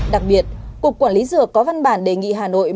đặc biệt cục quản lý dược có văn bản đề nghị hà nội